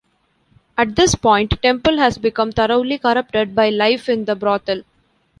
At this point, Temple has become thoroughly corrupted by life in the brothel.